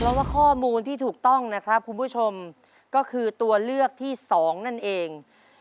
เพราะว่าข้อมูลที่ถูกต้องนะครับคุณผู้ชมก็คือตัวเลือกที่สองนั่นเอง